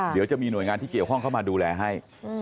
เดี๋ยวจะมีหน่วยงานที่เกี่ยวข้องเข้ามาดูแลให้